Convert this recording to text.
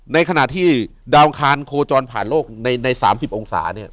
ในขณะที่ดาวอังคารโคจรผ่านโลกใน๓๐องศาเนี่ย